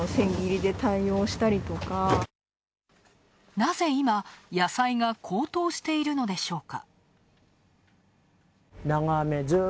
なぜ今、野菜が高騰しているのでしょうか。